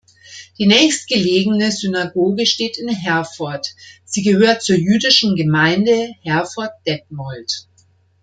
Die nächstgelegene Synagoge steht in Herford, sie gehört zur Jüdischen Gemeinde Herford-Detmold.